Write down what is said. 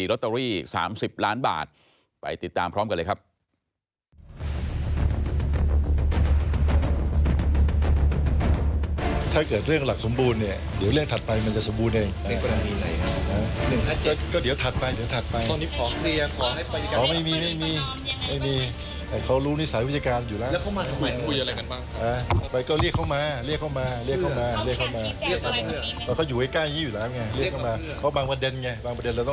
ลอตเตอรี่๓๐ล้านบาทไปติดตามพร้อมกันเลยครับ